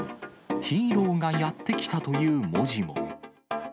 ヒーローがやって来たという文字も。